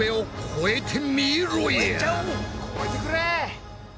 こえてくれ！